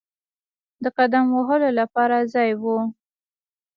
د قدم وهلو لپاره ځای وو.